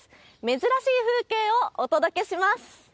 珍しい風景をお届けします。